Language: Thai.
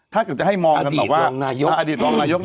ถ้าเกิดจะให้มองกันแบบว่าอดีตรองนายก